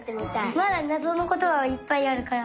まだなぞのことがいっぱいあるから。